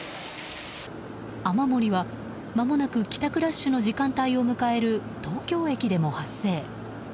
雨漏りはまもなく帰宅ラッシュの時間帯を迎える東京駅でも発生。